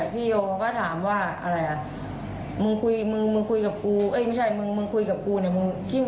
พี่โยก็ถามว่ามึงคุยกับกูไม่ใช่มึงคุยกับกูเนี่ย